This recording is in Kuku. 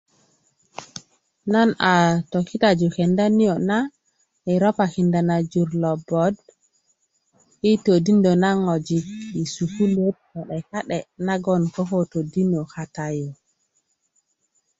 Nan a tokitaju kenda nio na i ropakinda na jur lo bot i todindo na ŋwajik i sukuluwot ka'de ka'de nagon koko todino kata yu